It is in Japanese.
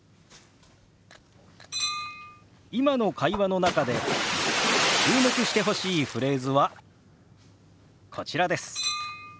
今の会話の中で注目してほしいフレーズはこちらです。